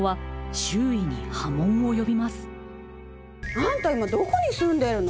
あんた今どこに住んでるの？